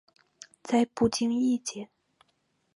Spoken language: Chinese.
在不经意间